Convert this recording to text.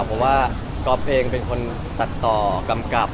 เพราะว่าก๊อฟเองเป็นคนตัดต่อกำกับ